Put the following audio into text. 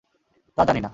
তা জানি না।